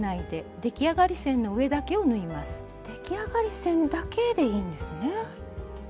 出来上がり線だけでいいんですね。